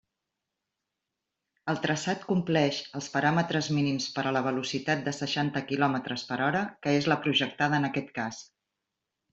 El traçat compleix els paràmetres mínims per a la velocitat de seixanta quilòmetres per hora que és la projectada en aquest cas.